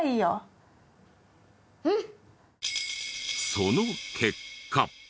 その結果。